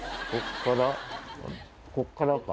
こっから。